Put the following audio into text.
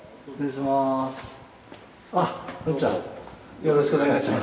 よろしくお願いします。